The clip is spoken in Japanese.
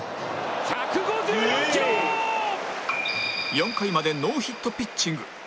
４回までノーヒットピッチング